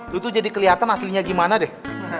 dulu tuh jadi kelihatan aslinya gimana deh